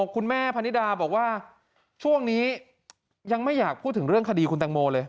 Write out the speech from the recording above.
คุณแม่พนิดาบอกว่าช่วงนี้ยังไม่อยากพูดถึงเรื่องคดีคุณตังโมเลย